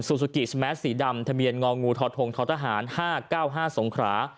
ซูซูกิสแมสสีดำทะเมียนงองูทอดโทงทอดทหารห้าเก้าห้าสงขรา